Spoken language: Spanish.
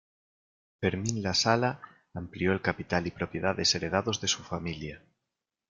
Fermín Lasala amplió el capital y propiedades heredados de su familia.